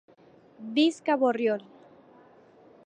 Visca Borriol!